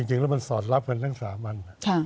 จริงแล้วมันสอดรับกันทั้งสามัญ